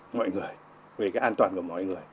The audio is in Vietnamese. mọi người về cái an toàn của mọi người